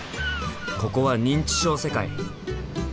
ここは認知症世界！